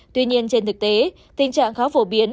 tuy nhiên trên thực tế tình trạng khá phổ biến